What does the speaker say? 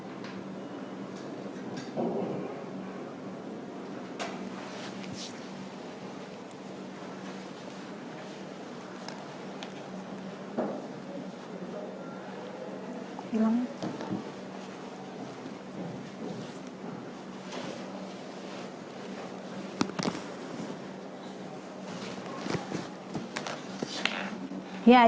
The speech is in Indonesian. ibu putri chandrawati